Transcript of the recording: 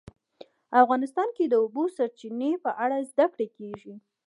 افغانستان کې د د اوبو سرچینې په اړه زده کړه کېږي.